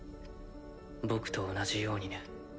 僕と同じようにね。